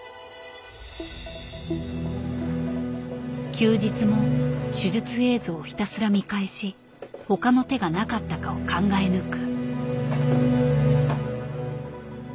休日も手術映像をひたすら見返し他の手がなかったかを考え抜く。